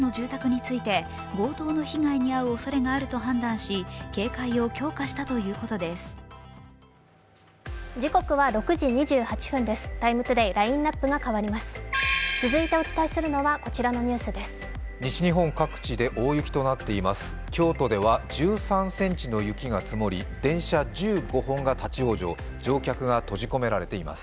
続いてお伝えするのはこちらのニュースです。